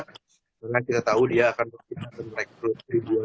karena kita tahu dia akan mempunyai